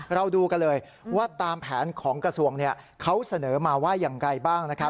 เราดูกันเลยว่าตามแผนของกระทรวงเขาเสนอมาว่าอย่างไรบ้างนะครับ